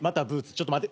ちょっと待って。